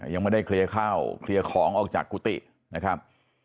ยังไม่ได้เคลียร์ข้าวเคลียร์ของออกจากกุฏินะครับ